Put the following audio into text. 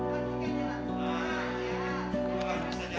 aduh aku beres